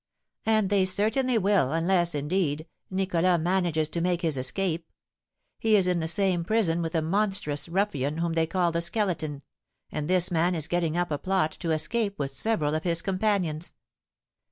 "And they certainly will, unless, indeed, Nicholas manages to make his escape; he is in the same prison with a monstrous ruffian whom they call the Skeleton, and this man is getting up a plot to escape with several of his companions.